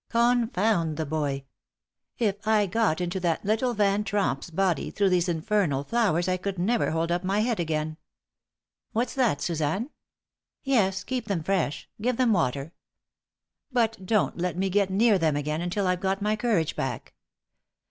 Confound the boy! if I got into that little Van Tromp's body through these infernal flowers I could never hold up my head again. What's that, Suzanne? Yes, keep them fresh. Give them water. But don't let me get near them again until I've got my courage back.